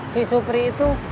si supri itu